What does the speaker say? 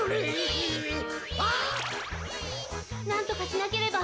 なんとかしなければ！